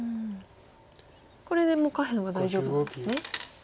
これで下辺は大丈夫なんですね。